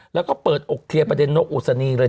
แล้วก็เปิดอกเคลียร์ประเด็นนกอุศนีเลย